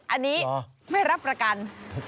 อันนี้ไม่รับประกัน